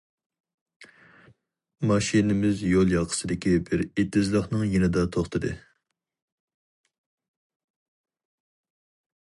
ماشىنىمىز يول ياقىسىدىكى بىر ئېتىزلىقنىڭ يېنىدا توختىدى.